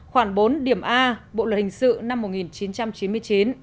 khoảng bốn điểm a bộ luật hình sự năm một nghìn chín trăm chín mươi chín